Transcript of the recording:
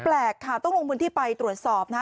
แปลกค่ะต้องลงพื้นที่ไปตรวจสอบนะ